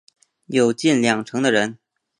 有近两成的人